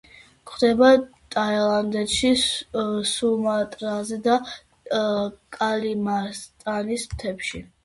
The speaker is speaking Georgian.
გვხვდება ტაილანდში, სუმატრაზე და კალიმანტანის მთებში.